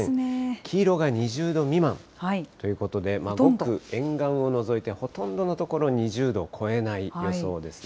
黄色が２０度未満ということで、沿岸を除いてほとんどの所、２０度を超えない予想ですね。